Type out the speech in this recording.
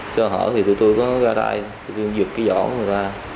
sau hỏi thì tụi tôi có ra đai tụi tôi dựt cái giỏ của người ta